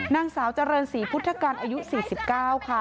นางสาวเจริญศรีพุทธการอายุ๔๙ค่ะ